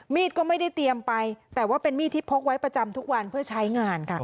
มีดก็ไม่ได้เตรียมไปแต่ว่าเป็นมีดที่พกไว้ประจำทุกวันเพื่อใช้งานค่ะ